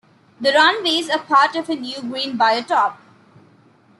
The runways are part of a new green biotop.